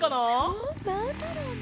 おおなんだろうね？